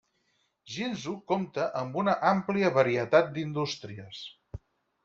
Jinzhou compta amb una àmplia varietat d'indústries.